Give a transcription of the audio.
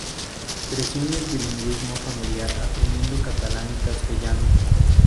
Creció en el bilingüismo familiar aprendiendo catalán y castellano.